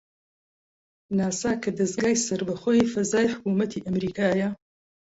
ناسا کە دەزگای سەربەخۆی فەزای حکوومەتی ئەمریکایە